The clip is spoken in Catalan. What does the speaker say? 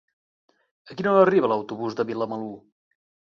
A quina hora arriba l'autobús de Vilamalur?